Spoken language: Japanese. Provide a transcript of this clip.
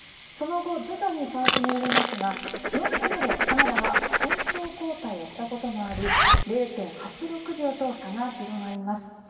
その後、徐々に差を詰められますが４周目でカナダが先頭交代したこともあり０．８６秒と差が広がります。